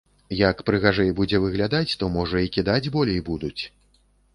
Як прыгажэй будзе выглядаць, то, можа, і кідаць болей будуць.